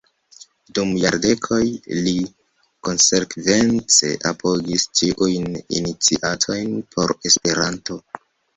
Dum jardekoj li konsekvence apogis ĉiujn iniciatojn por Esperanto.